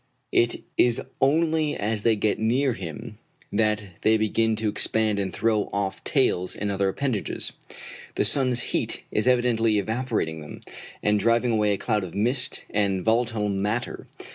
It is only as they get near him that they begin to expand and throw off tails and other appendages. The sun's heat is evidently evaporating them, and driving away a cloud of mist and volatile matter.